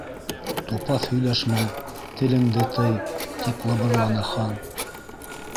—Тупаҫ һөйләшмә, телеңде тый, —тип лыбырланы Хан.